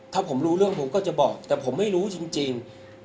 ถ้าผมรู้เรื่องผมก็จะบอกแต่ผมไม่รู้จริง